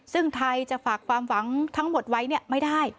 ซึ่งไทยจะฝากความหวังทั้งหมดไว้ไม่ได้